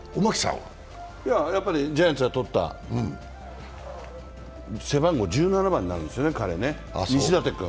ジャイアンツがとった背番号１７番になるんですね、彼ね、西舘君。